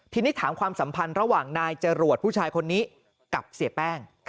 ทีนี้ถามความสัมพันธ์ระหว่างนายจรวดผู้ชายคนนี้กับเสียแป้ง